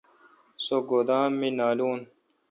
سو گودام می نالون۔